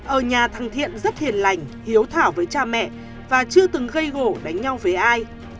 ở nhà thăng thiện rất hiền lành hiếu thảo với cha mẹ và chưa từng gây gỗ đánh nhau với ai